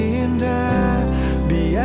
di dalam luka